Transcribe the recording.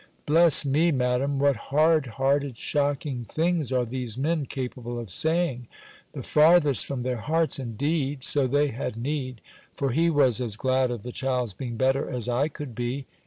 Bless me. Madam! what hard hearted shocking things are these men capable of saying! The farthest from their hearts, indeed; so they had need For he was as glad of the child's being better as I could be.